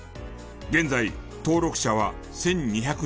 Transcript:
現在登録者は１２００人。